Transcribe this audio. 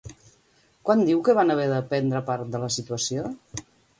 Quan diu que van haver de prendre part de la situació?